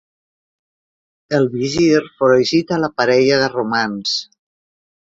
El visir foragita la parella de romans.